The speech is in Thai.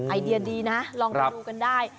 ไอเดียดีนะลองไปดูกันได้